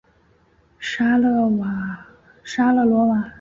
沙勒罗瓦。